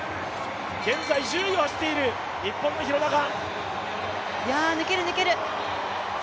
現在、１０位を走っている日本の廣中抜ける、抜ける！